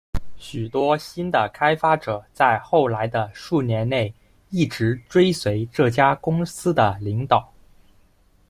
许多新的开发者在后来的数年内一直追随这家公司的领导。